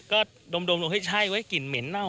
ก็ดมลงเฮ้ยใช่ไว้กลิ่นเหม็นเน่า